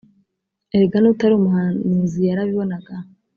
Erega n’utari umuhanuzi yarabibonaga